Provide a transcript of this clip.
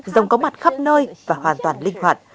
rồng có mặt khắp nơi và hoàn toàn linh hoạt